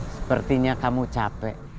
sepertinya kamu capek